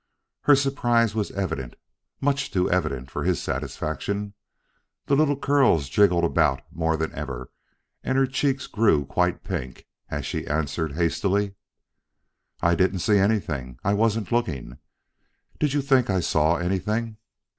Her surprise was evident, much too evident for his satisfaction. The little curls jigged about more than ever, and her cheeks grew quite pink as she answered hastily: "I didn't see anything. I wasn't looking. Did you think I saw anything?"